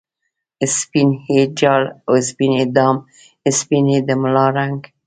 سپین یی جال او سپین یی دام ، سپین دی د ملا رنګ